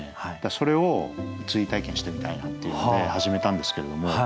それを追体験してみたいなっていうので始めたんですけれども。